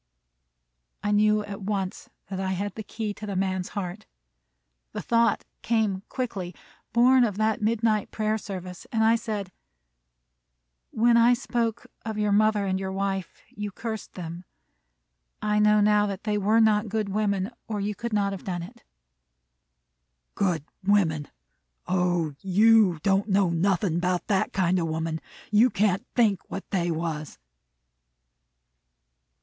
I knew at once that I had the key to the man's heart. The thought came quickly, born of that midnight prayer service, and I said, "When I spoke of your mother and your wife, you cursed them; I know now that they were not good women, or you could not have done it." "Good women! O, you don't know nothin' 'bout that kind of woman! You can't think what they was!"